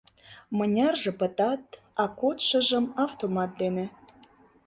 Мынярже — пытат, а кодшыжым — автомат дене...